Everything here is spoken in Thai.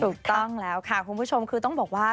ถูกต้องแล้วค่ะคุณผู้ชมคือต้องบอกว่า